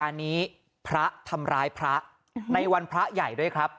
อันนี้พระทำร้ายพระในวันพระใหญ่ด้วยครับ